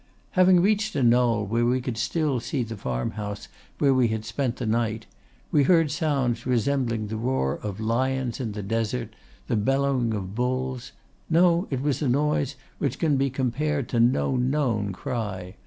"Having reached a knoll where we could still see the farmhouse where we had spent the night, we heard sounds resembling the roar of lions in the desert, the bellowing of bulls—no, it was a noise which can be compared to no known cry.